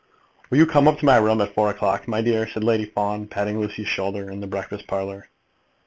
"Will you come up to my room at four o'clock, my dear?" said Lady Fawn, patting Lucy's shoulder, in the breakfast parlour.